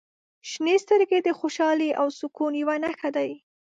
• شنې سترګې د خوشحالۍ او سکون یوه نښه دي.